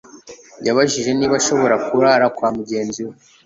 yabajije niba ashobora kurara kwa mugenzi we.